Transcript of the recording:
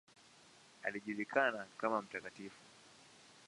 Alijulikana kama ""Mt.